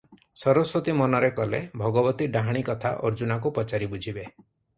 ସରସ୍ୱତୀ ମନରେ କଲେ, ଭଗବତୀ ଡାହାଣୀ କଥା ଅର୍ଜୁନାକୁ ପଚାରି ବୁଝିବେ ।